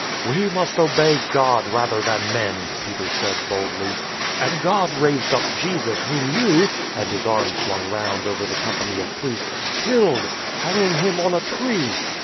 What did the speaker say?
" We must obey God rather than men," Peter said boldly. " And God raised up Jesus Whom you (and his arm swung round over the company of priests) killed — hanging Him on a tree.